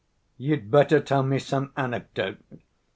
"You'd better tell me some anecdote!"